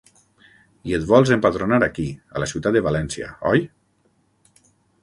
I et vols empadronar aquí, a la ciutat de València, oi?